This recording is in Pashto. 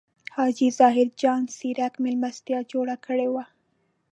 حاجي ظاهر جان څرک مېلمستیا جوړه کړې وه.